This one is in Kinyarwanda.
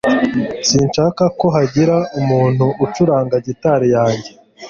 Sinshaka ko hagira umuntu ucuranga gitari yanjye